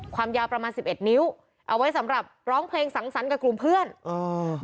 ความยาวประมาณสิบเอ็ดนิ้วเอาไว้สำหรับร้องเพลงสังสรรค์กับกลุ่มเพื่อนอ่า